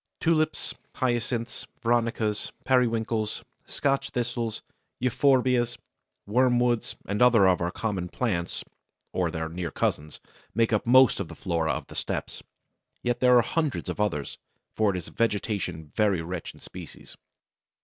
_ Tulips, Hyacinths, Veronicas, Periwinkles, Scotch Thistles, Euphorbias, Wormwoods, and other of our common plants or their near cousins, make up most of the flora of the Steppes. Yet there are hundreds of others, for it is a vegetation very rich in species.